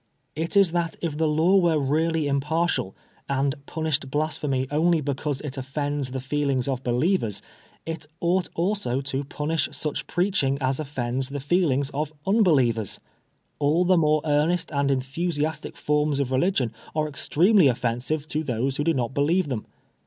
It is that if the law were really im partial, and punished blasphemy only because it offends the feelings of believers, it ought also to punish such preaching as offends the feelings of unbelievers. All the more earnest and enthusiastic forms of religion are extremely offensive to those who do not believe them.